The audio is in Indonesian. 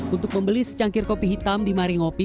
untuk membeli secangkir kopi hitam di mari ngopi